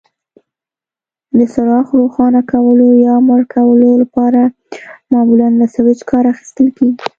د څراغ روښانه کولو یا مړ کولو لپاره معمولا له سویچ کار اخیستل کېږي.